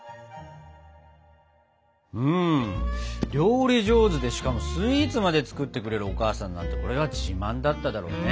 うん料理上手でしかもスイーツまで作ってくれるお母さんなんてこれは自慢だっただろうね。